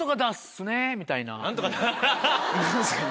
みたいな。